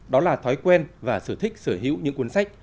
đó là thói quen và sở thích sở hữu những cuốn sách